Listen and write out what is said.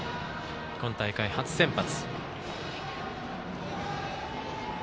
今大会初先発。